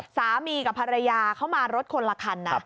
สามีกับภรรยาเขามารถคนละคันนะ